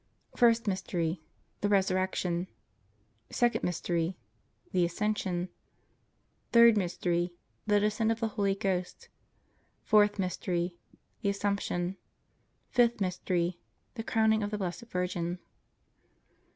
First Mystery. The Resurrection. Second Mystery. The Ascension. Third Mystery. The Descent of the Holy Ghost. Fourth Mystery. The Assumption. Fifth Mystery. The Crowning of the Blessed Virgin.